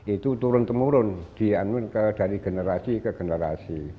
itu turun temurun dianun dari generasi ke generasi